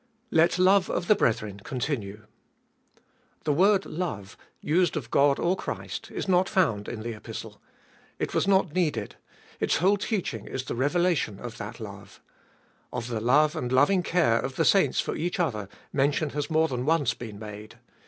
Let love of the brethren continue. The word love, used of God or Christ, is not found in the Epistle. It was not needed : its whole teaching is the revelation of that love. Of the love 518 ttbe fjolieet of BU and loving care of the saints for each other mention has more than once been made.